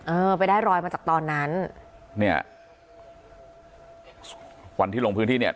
เออไปได้รอยมาจากตอนนั้นเนี่ยวันที่ลงพื้นที่เนี่ย